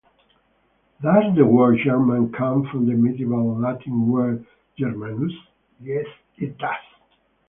Does the word "German" come from the medieval Latin word "Germanus"? Yes, it does.